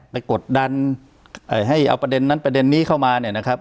กดดันให้เอาประเด็นนั้นประเด็นนี้เข้ามาเนี่ยนะครับ